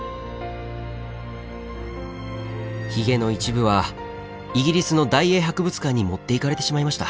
ひげの一部はイギリスの大英博物館に持っていかれてしまいました。